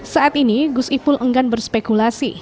saat ini gusipul enggan berspekulasi